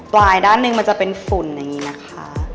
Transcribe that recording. ลายด้านหนึ่งมันจะเป็นฝุ่นอย่างนี้นะคะ